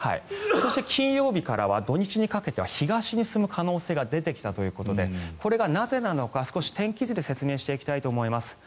そして金曜日から土日にかけては東に進む可能性が出てきたということでこれがなぜなのか天気図で説明していきたいと思います。